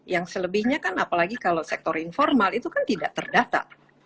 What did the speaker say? yang selebihnya kan apalagi kalau sektor informal itu kan tidak terdata